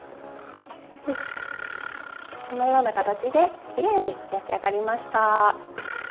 このような形できれいに焼き上がりました。